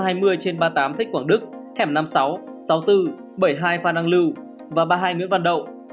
một trăm hai mươi trên ba mươi tám thích quảng đức hẻm năm mươi sáu sáu mươi bốn bảy mươi hai phan năng lưu và ba mươi hai nguyễn văn đậu